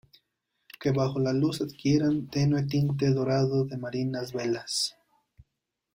que bajo la luz adquirían tenue tinte dorado de marinas velas.